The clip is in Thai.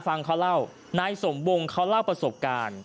ฟังเขาเล่านายสมวงเขาเล่าประสบการณ์